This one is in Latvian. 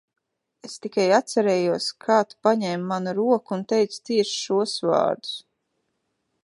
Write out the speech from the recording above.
Es tikai atcerējos, kā tu paņēmi manu roku un teici tieši šos vārdus.